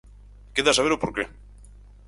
Queda saber o porqué.